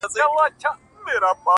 خو د عقل او د زور يې لاپي كړلې!!